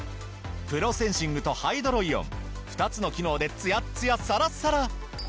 プロセンシングとハイドロイオン２つの機能でツヤッツヤサラッサラ！